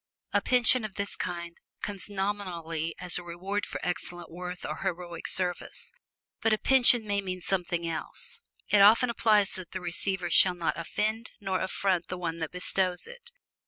A pension of this kind comes nominally as a reward for excellent work or heroic service. But a pension may mean something else: it often implies that the receiver shall not offend nor affront the one that bestows it.